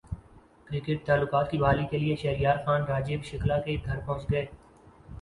cricket تعلقات کی بحالی کیلئے شہریار خان راجیو شکلا کے گھرپہنچ گئے